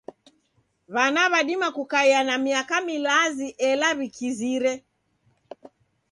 W'ana w'adima kukaia na miaka milazi ela w'ikizire.